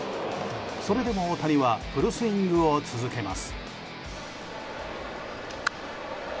それでも大谷はフルスイングを続けます。